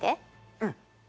うん。